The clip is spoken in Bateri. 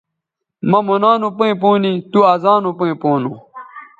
مہ مونا نو پیئں پونے تُو ازانو پیئں پونو